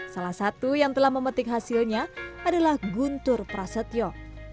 salah satu yang telah memetik hasilnya adalah guntur prasetyo